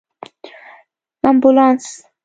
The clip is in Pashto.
🚑 امبولانس